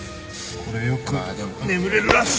これよく眠れるらしいよ！